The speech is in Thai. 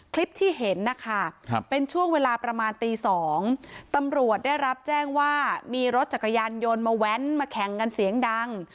คลิปที่เห็นนะคะเป็นช่วงเวลาประมาณตี๒ตำรวจได้รับแจ้งว่ามีรถจักรยานยนต์มาแว้นมาแข่งกันเสียงดัง